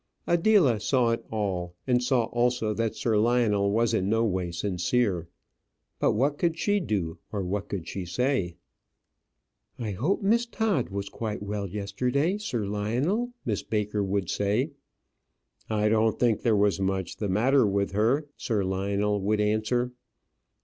Adela saw it all, and saw also that Sir Lionel was in no way sincere. But what could she do, or what could she say? "I hope Miss Todd was quite well yesterday, Sir Lionel?" Miss Baker would say. "I don't think there was much the matter with her," Sir Lionel would answer.